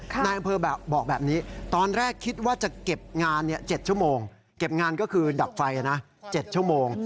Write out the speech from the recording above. นายอำเภอบอกแบบนี้ตอนแรกคิดว่าจะเก็บงาน๗ชั่วโมงเก็บงานก็คือดับไฟนะ๗ชั่วโมง